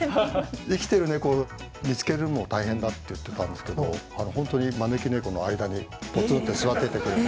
生きてる猫見つけるのも大変だって言ってたんですけど本当に招き猫の間にポツンって座っててくれて。